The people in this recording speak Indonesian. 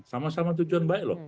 sama sama tujuan baik loh